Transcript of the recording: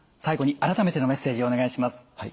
最後に改めてのメッセージお願いします。